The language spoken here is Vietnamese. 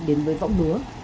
đến với võng lúa